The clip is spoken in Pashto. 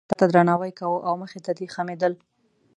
ډېرو خلکو تا ته درناوی کاوه او مخې ته دې خمېدل.